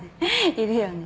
いるよね。